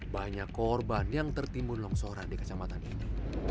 banyak korban yang tertimbun longsoran di kecamatan ini